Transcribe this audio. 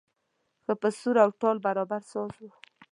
ښه په سور او تال برابر ساز و.